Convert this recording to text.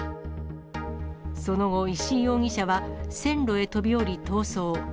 その後、石井容疑者は線路へ飛び降り逃走。